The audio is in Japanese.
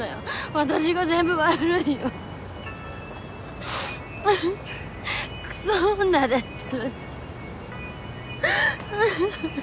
私が全部悪いよあぁクソ女です